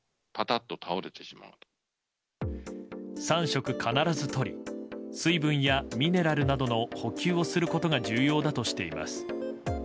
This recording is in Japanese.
３食必ずとり、水分やミネラルなどの補給をすることが重要だとしています。